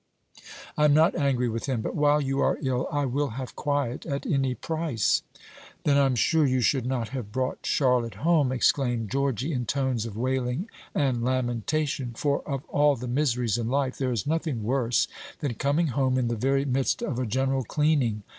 "I am not angry with him; but while you are ill, I will have quiet at any price." "Then I'm sure you should not have brought Charlotte home," exclaimed Georgy, in tones of wailing and lamentation; "for of all the miseries in life, there is nothing worse than coming home in the very midst of a general cleaning.